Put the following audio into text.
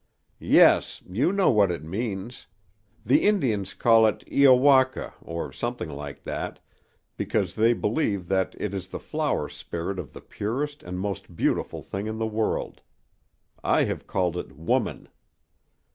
"Yes. You know what it means. The Indians call it i o waka, or something like that, because they believe that it is the flower spirit of the purest and most beautiful thing in the world. I have called it woman."